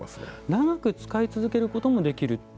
長く使い続けることもできる？